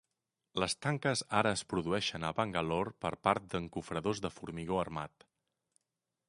Les tanques ara es produeixen a Bangalore per part d'encofradors de formigó armat.